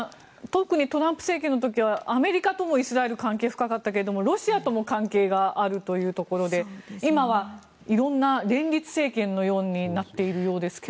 特にトランプ政権の時はアメリカともイスラエルは関係が深かったけどロシアとも関係があるというところで今は色んな連立政権のようになっているようですが。